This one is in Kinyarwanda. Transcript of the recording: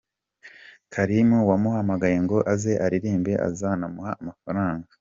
Karim wamuhamagaye ngo aze aririmbe azanamuha amafaranga.